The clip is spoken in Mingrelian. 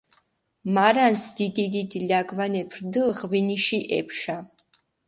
მარანს დიდი-დიდი ლაგვანეფი რდჷ ღვინიში ეფშა.